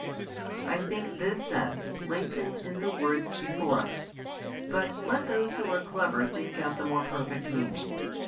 I think this sense is latent in the words before us, but let those who are clever think out the more perfect meaning.